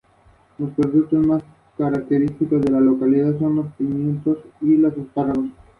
Para empezar, es necesario acondicionar el área donde se vaya a pintar.